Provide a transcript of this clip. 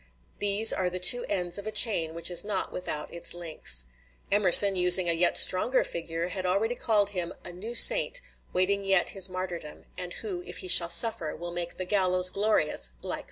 These are the two ends of a chain which is not without its links." Emerson, using a yet stronger figure, had already called him "a new saint, waiting yet his martyrdom, and who, if he shall suffer, will make the gallows glorious like the cross."